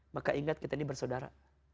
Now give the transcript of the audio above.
maka ingat kita ini bersaudara